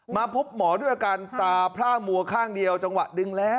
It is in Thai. มาพบหมอด้วยอาการตาพร่ามัวข้างเดียวจังหวะดึงแล้ว